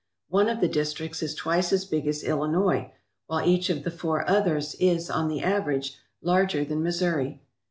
One of the districts is twice as big as Illinois, while each of the four others is, on the average, larger than Missouri.